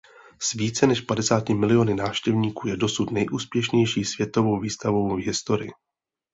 S více než padesáti miliony návštěvníků je dosud nejúspěšnější světovou výstavou v historii.